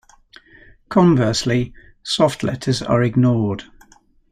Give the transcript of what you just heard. Conversely, soft letters are ignored.